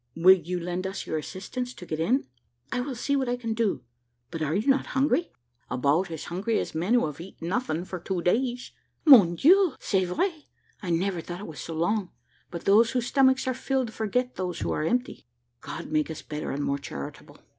"Will you lend us your assistance to get in?" "I will see what I can do. But are you not hungry?" "About as hungry as men who have eaten nothing for two days." "Mon Dieu! c'est vrai. I never thought it was so long, but those whose stomachs are filled forget those who are empty. God make us better and more charitable!"